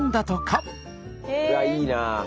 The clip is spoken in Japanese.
うわっいいな。